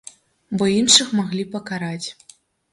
Бо іншых маглі пакараць.